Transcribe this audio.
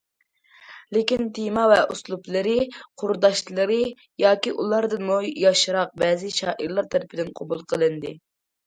لېكىن تېما ۋە ئۇسلۇبلىرى قۇرداشلىرى ياكى ئۇلاردىنمۇ ياشراق بەزى شائىرلار تەرىپىدىن قوبۇل قىلىندى.